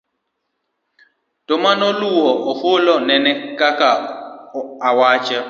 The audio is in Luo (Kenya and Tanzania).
to manoluwo ofula nene okalo awacha